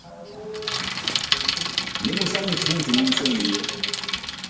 Ndi musanyufu nti onsonyiye.